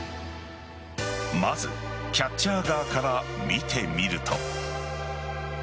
まずキャッチャー側から見てみると。